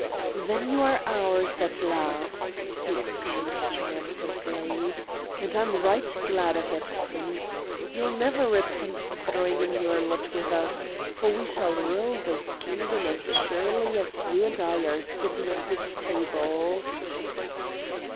"Then you are ours at last!" he exclaimed triumphantly, "and I'm right glad of it, Prince. You'll never repent throwing in your lot with us, for we shall rule this kingdom as surely as you and I are sitting at this table."